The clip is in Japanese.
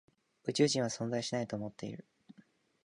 宇宙人は存在しないと思っている。